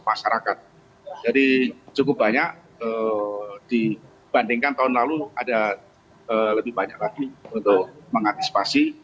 masyarakat jadi cukup banyak dibandingkan tahun lalu ada lebih banyak lagi untuk mengantisipasi